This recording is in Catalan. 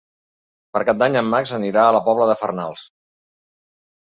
Per Cap d'Any en Max anirà a la Pobla de Farnals.